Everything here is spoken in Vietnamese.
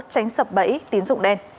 tránh sập bẫy tín dụng đen